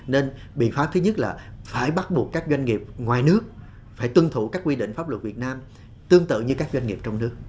nên biện pháp thứ nhất là phải bắt buộc các doanh nghiệp ngoài nước phải tuân thủ các quy định pháp luật việt nam tương tự như các doanh nghiệp trong nước